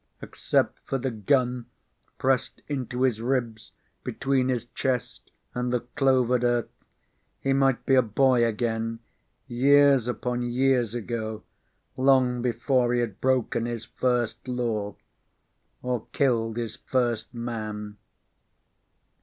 Except for the gun pressed into his ribs between his chest and the clovered earth, he might be a boy again, years upon years ago, long before he had broken his first law or killed his first man.